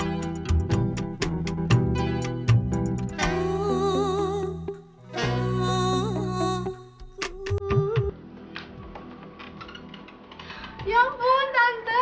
alhamdulillah baik baik aja tante